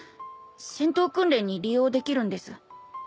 戦闘訓練に利用できるんです。